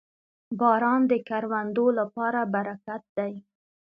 • باران د کروندو لپاره برکت دی.